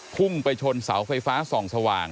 พุ่งไปชนเสาไฟฟ้าส่องสว่าง